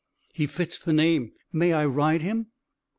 "He fits the name. May I ride him?"